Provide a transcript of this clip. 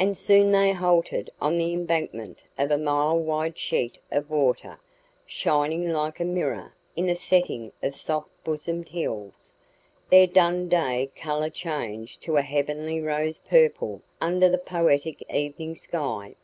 And soon they halted on the embankment of a mile wide sheet of water, shining like a mirror in a setting of soft bosomed hills, their dun day colour changed to a heavenly rose purple under the poetic evening sky.